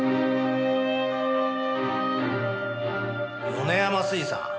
米山水産？